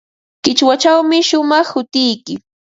Qichwachawmi shumaq hutiyki.